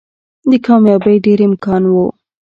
د کاميابۍ ډېر امکان وو